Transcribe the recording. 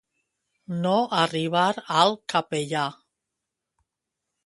No arribar al capellà.